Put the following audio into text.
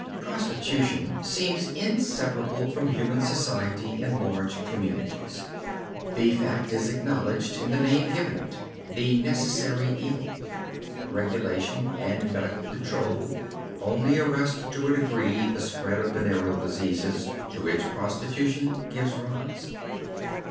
Prostitution seems inseparable from human society in large communities. The fact is acknowledged in the name given it, "the necessary evil." Regulation and medical control only arrest in a degree the spread of venereal diseases to which prostitution gives rise.